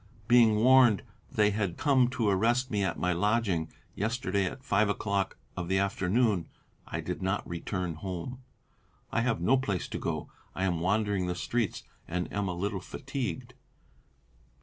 Being warned they had come to arrest me at my lodging, yesterday at five o'clock of the afternoon, I did not return home. I have no place to go to; I am wandering the streets and am a little fatigued."